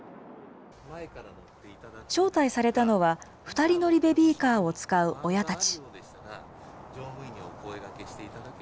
招待されたのは、２人乗りベビーカーを使う親たち。